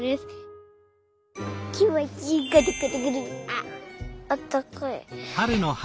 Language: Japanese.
あったかい。